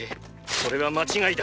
それは間違いだ！